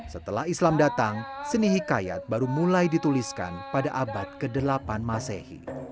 setelah islam datang seni hikayat baru mulai dituliskan pada abad ke delapan masehi